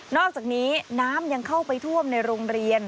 อกจากนี้น้ำยังเข้าไปท่วมในโรงเรียน